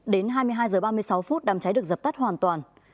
đến hai mươi hai h ba mươi sáu phút đám cháy được dập tắt hoàn toàn